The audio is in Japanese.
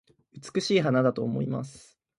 美しい花だと思います